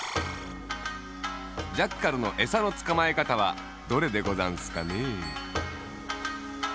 ジャッカルのえさのつかまえかたはどれでござんすかねえ。